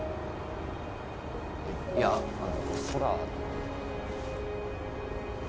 えっいやあの空。